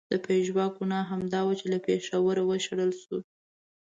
د پژواک ګناه همدا وه چې له پېښوره و شړل شو.